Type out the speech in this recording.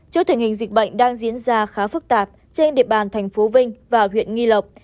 trước tình hình dịch bệnh đang diễn ra khá phức tạp trên địa bàn thành phố vinh và huyện nghi lộc